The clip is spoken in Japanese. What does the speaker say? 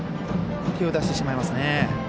手を出してしまいますね。